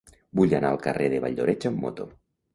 Vull anar al carrer de Valldoreix amb moto.